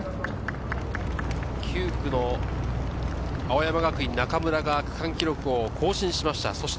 ９区の青山学院・中村が区間記録を更新しました。